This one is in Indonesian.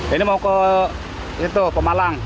ini mau ke pemalang